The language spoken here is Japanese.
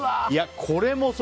これもそう。